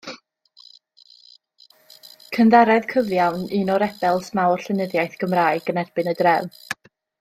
Cynddaredd cyfiawn un o rebels mawr llenyddiaeth Gymraeg yn erbyn y drefn.